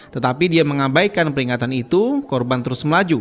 tetapi dia mengabaikan peringatan itu korban terus melaju